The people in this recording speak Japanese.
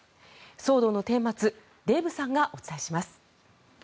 騒動のてん末デーブさんがお伝えします。